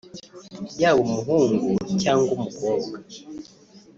yaba umuhungu cyangwa umukobwa